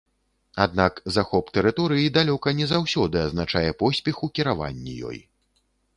Аднак захоп тэрыторыі далёка не заўсёды азначае поспех у кіраванні ёй.